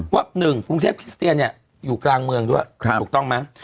ว่า๑กรุงเทพคริสเตียนเนี่ยอยู่กลางเมืองด้วยถูกต้องไหม